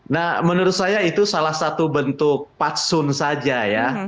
nah menurut saya itu salah satu bentuk patsun saja ya